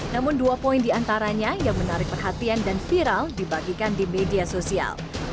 namun dua poin diantaranya yang menarik perhatian dan viral dibagikan di media sosial